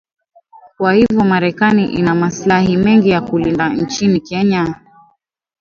kwa hivyo Marekani ina maslahi mengi ya kulinda nchini Kenya